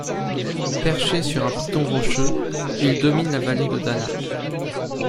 Perché sur un piton rocheux, il domine la vallée de Dana.